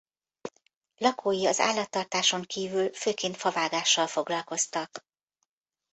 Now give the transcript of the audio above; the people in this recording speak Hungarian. Lakói az állattartáson kívül főként favágással foglalkoztak.